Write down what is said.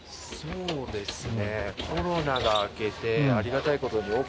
そうですね。